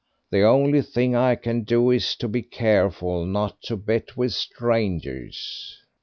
The only thing I can do is to be careful not to bet with strangers."